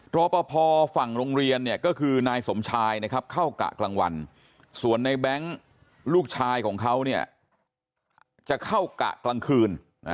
รอปภฝั่งโรงเรียนเนี่ยก็คือนายสมชายนะครับเข้ากะกลางวันส่วนในแบงค์ลูกชายของเขาเนี่ยจะเข้ากะกลางคืน